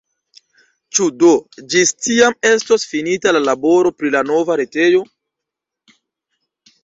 Ĉu do ĝis tiam estos finita la laboro pri la nova retejo?